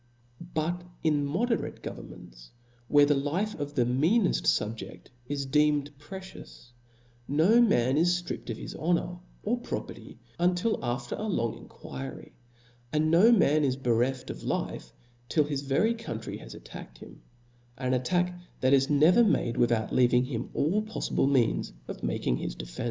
But in moderate governments, where the life of the meaneft fubject is deemed precious, no man is ftript of hit honor or property but after a long en* quiry ; and no man is bereft of life, till his very country has attacked him, an attack that is never made without leaving him all pofliUe means of making his defence.